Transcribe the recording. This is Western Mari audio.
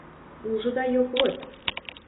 Ужыда йок вот...